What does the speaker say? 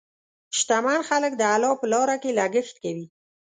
شتمن خلک د الله په لاره کې لګښت کوي.